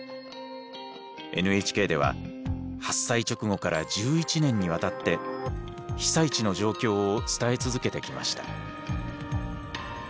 ＮＨＫでは発災直後から１１年にわたって被災地の状況を伝え続けてきました。